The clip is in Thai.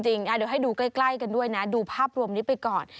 เดี๋ยวให้ดูใกล้กันด้วยนะดูภาพรวมนี้ไปก่อน